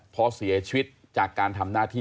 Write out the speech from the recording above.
พอเสียชีวิตจากการทำหน้าที่